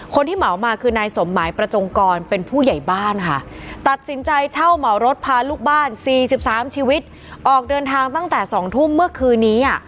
เหมามาคือนายสมหมายประจงกรเป็นผู้ใหญ่บ้านค่ะตัดสินใจเช่าเหมารถพาลูกบ้าน๔๓ชีวิตออกเดินทางตั้งแต่๒ทุ่มเมื่อคืนนี้